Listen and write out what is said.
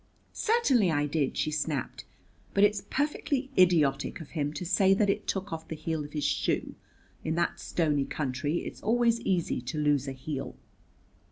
"Certainly I did," she snapped; "but it's perfectly idiotic of him to say that it took off the heel of his shoe. In that stony country it's always easy to lose a heel."